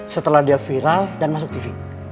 setelah dia viral dan masuk tv